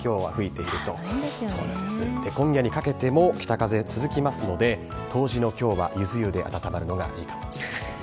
今夜にかけても北風続きますので、冬至のきょうはゆず湯で温まるのがいいかもしれませんよ。